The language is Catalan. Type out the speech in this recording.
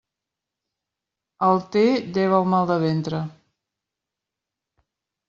El té lleva el mal de ventre.